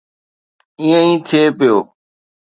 ائين ئي ٿئي پيو.